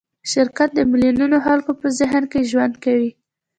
شرکت د میلیونونو خلکو په ذهن کې ژوند کوي.